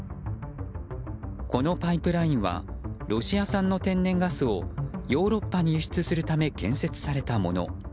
このパイプラインはロシア産の天然ガスをヨーロッパに輸出するため建設されたもの。